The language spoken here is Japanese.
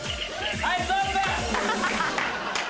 はいストップ！